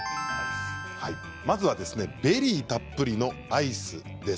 まずはベリーたっぷりのアイスです。